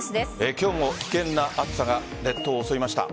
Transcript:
今日も危険な暑さが列島を襲いました。